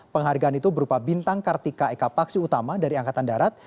penghargaan itu berupa bintang kartika eka paksi utama dari angkatan darat